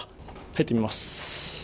入ってみます。